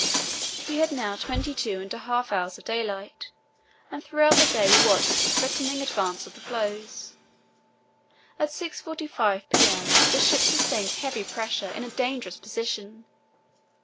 We had now twenty two and a half hours of daylight, and throughout the day we watched the threatening advance of the floes. At 6.45 p.m. the ship sustained heavy pressure in a dangerous position.